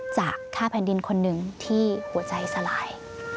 จากค่าแผ่นดินคนหนึ่งที่หัวใจสลาย